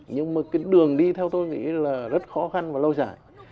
nhưng mà cái đường đi theo tôi nghĩ là rất khó khăn và lâu dài